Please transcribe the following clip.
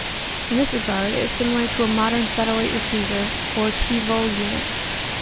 In this regard it is similar to a modern satellite receiver or TiVo unit.